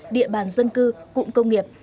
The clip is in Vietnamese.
địa bàn dân cư cụm công nghiệp